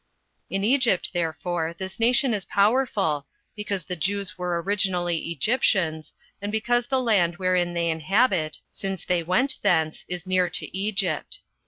In Egypt, therefore, this nation is powerful, because the Jews were originally Egyptians, and because the land wherein they inhabit, since they went thence, is near to Egypt.